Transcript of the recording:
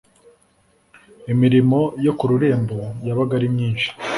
Imirimo yo ku rurembo yabaga ari myinshi